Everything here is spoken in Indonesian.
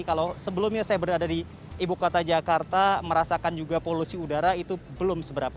kalau sebelumnya saya berada di ibu kota jakarta merasakan juga polusi udara itu belum seberapa